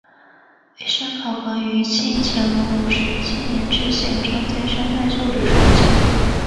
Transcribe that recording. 玉山考棚于清乾隆五十七年知县张兼山在旧址重建。